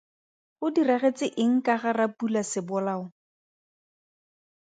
Go diragetse eng ka ga Rapula Sebolao?